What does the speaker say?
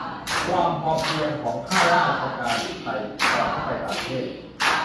ความพอเพียงของข้าราชการไทยตอนไปต่างประเทศ